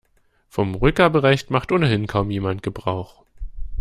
Vom Rückgaberecht macht ohnehin kaum jemand Gebrauch.